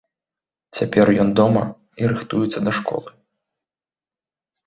Цяпер ён дома і рыхтуецца да школы.